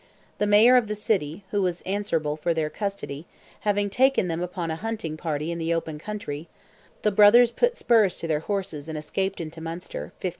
The Mayor of the city, who was answerable for their custody, having taken them upon a hunting party in the open country, the brothers put spurs to their horses and escaped into Munster (1574).